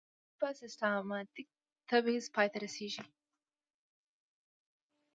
دا کار په سیستماتیک تبعیض پای ته رسیږي.